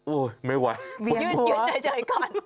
โอ๊ยไม่ไหวยืนเฉยก่อน